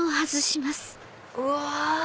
うわ！